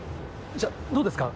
じゃあどうですか？